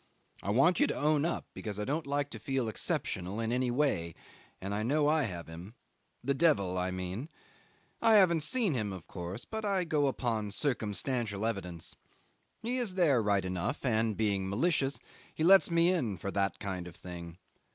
I want you to own up, because I don't like to feel exceptional in any way, and I know I have him the devil, I mean. I haven't seen him, of course, but I go upon circumstantial evidence. He is there right enough, and, being malicious, he lets me in for that kind of thing.